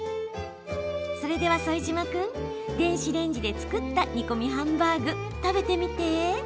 それでは副島君電子レンジで作った煮込みハンバーグ食べてみて。